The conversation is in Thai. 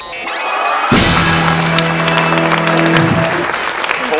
โทรหาผู้รู้จัก